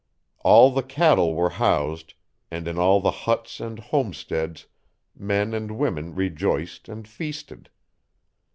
All the cattle were housed, and in all the huts and homesteads men and women rejoiced and feasted.